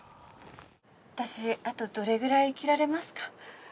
「私あとどれぐらい生きられますか？」